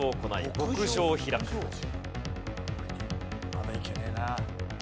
まだいけねえな。